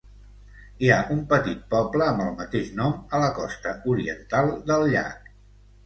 Hi ha un petit poble amb el mateix nom a la costa oriental del llac.